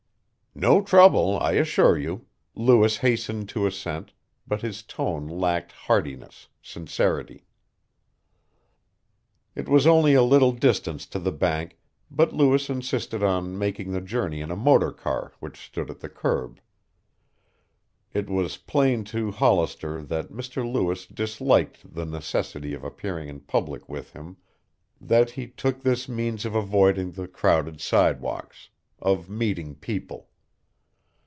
"No trouble, I assure you," Lewis hastened to assent, but his tone lacked heartiness, sincerity. It was only a little distance to the bank, but Lewis insisted on making the journey in a motorcar which stood at the curb. It was plain to Hollister that Mr. Lewis disliked the necessity of appearing in public with him, that he took this means of avoiding the crowded sidewalks, of meeting people.